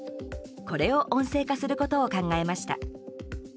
これを音声化することを考えました。